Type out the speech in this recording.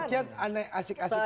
rakyat aneh asik asik